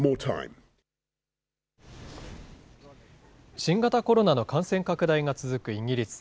新型コロナの感染拡大が続くイギリス。